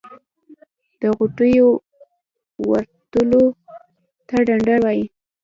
د غوټیو ورتولو ته ډنډار وایی.